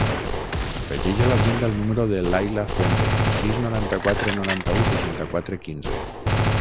Afegeix a l'agenda el número de l'Ayla Fuente: sis, noranta-quatre, noranta-u, seixanta-quatre, quinze.